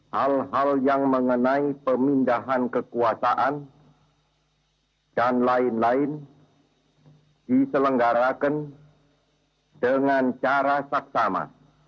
hal hal yang mengenai pemindahan kekuasaan dan lain lain diselenggarakan dengan cara saksama